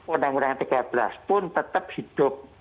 undang undang tiga belas pun tetap hidup